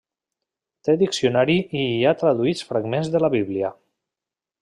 Té diccionari i hi ha traduïts fragments de la bíblia.